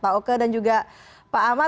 pak oke dan juga pak ahmad